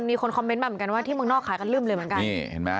อ้อมีคนคอมเมนมาเมื่อการว่าเมืองนอกขายกันลึ่มเลยจริง